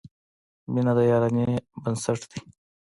• مینه د یارانې بنسټ دی.